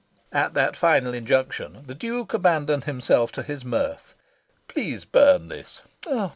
At that final injunction, the Duke abandoned himself to his mirth. "Please burn this."